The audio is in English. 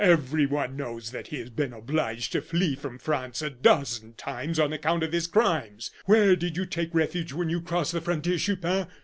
Everyone knows that he has been obliged to flee from France a dozen times on account of his crimes. Where did you take refuge when you crossed the frontier, Chupin?